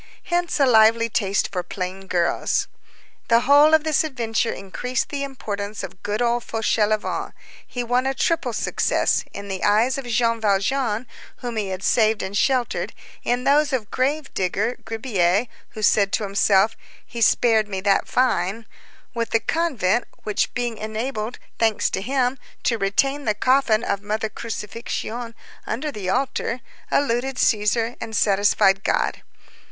Hence a lively taste for plain girls. The whole of this adventure increased the importance of good, old Fauchelevent; he won a triple success; in the eyes of Jean Valjean, whom he had saved and sheltered; in those of grave digger Gribier, who said to himself: "He spared me that fine"; with the convent, which, being enabled, thanks to him, to retain the coffin of Mother Crucifixion under the altar, eluded Cæsar and satisfied God.